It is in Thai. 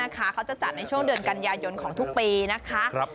เขาจะจัดในช่วงเดือนกันยายนของทุกปีนะคะ